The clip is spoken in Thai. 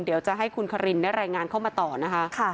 เดี๋ยวจะให้คุณคารินได้รายงานเข้ามาต่อนะคะ